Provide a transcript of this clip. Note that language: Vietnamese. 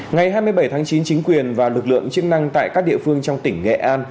ngày hai mươi bảy tháng chín chính quyền và lực lượng chức năng tại các địa phương trong tỉnh nghệ an